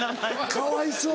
かわいそう。